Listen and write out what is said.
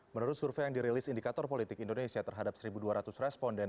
menurut survei yang dirilis indikator politik indonesia terhadap satu dua ratus responden